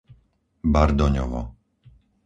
Bardoňovo